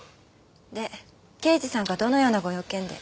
で刑事さんがどのようなご用件で？